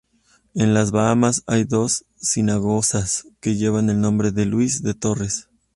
En las Bahamas hay dos sinagogas que llevan el nombre de "Luis de Torres".